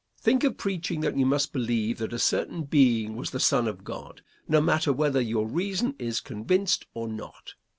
Think of preaching that you must believe that a certain being was the son of God, no matter whether your reason is convinced or not.